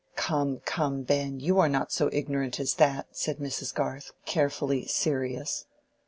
"Come, come, Ben, you are not so ignorant as that," said Mrs. Garth, carefully serious.